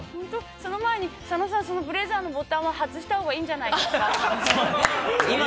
その前に佐野さんそのブレザーのボタンは外したほうがいいんじゃないんですか？